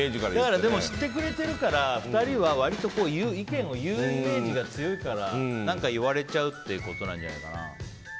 でも知ってくれてるから２人は割と意見を言うイメージが強いから何か言われちゃうってことなんじゃないかな。